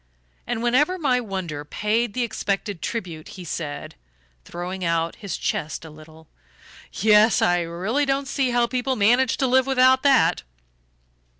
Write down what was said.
And whenever my wonder paid the expected tribute he said, throwing out his chest a little: "Yes, I really don't see how people manage to live without that."